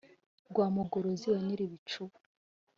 rwa mugorozi wa nyirabicuba